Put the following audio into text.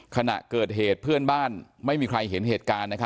ขณะเกิดเหตุเพื่อนบ้านไม่มีใครเห็นเหตุการณ์